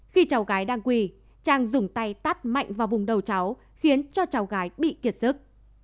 khi cháu gái đang quỳ trang dùng tay tắt mạnh vào vùng đầu cháu khiến cho cháu gái bị kiệt sức